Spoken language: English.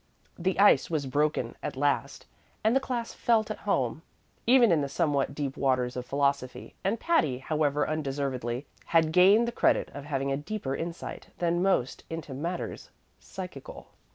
The ice was broken at last, and the class felt at home, even in the somewhat deep waters of philosophy; and Patty, however undeservedly, had gained the credit of having a deeper insight than most into matters psychical.